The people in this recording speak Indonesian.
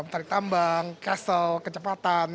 tarik tambang castle kecepatan